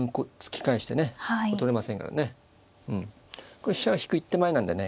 これは飛車を引く一手前なんだよね。